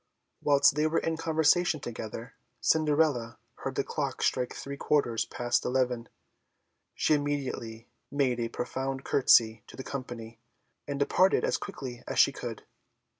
Whilst they were in conversation together, Cinderella heard the clock strike three quarters past eleven. She immediately made a profound curtsey to the company, and departed as quickly as she could.